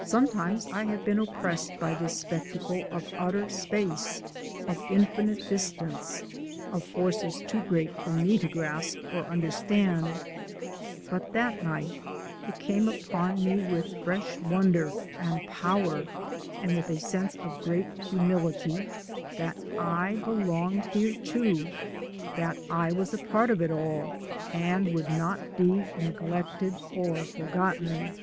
Sometimes I have been oppressed by this spectacle of utter space, of infinite distance, of forces too great for me to grasp or understand, but that night it came upon me with fresh wonder and power, and with a sense of great humility that I belonged here too, that I was a part of it all and would not be neglected or forgotten.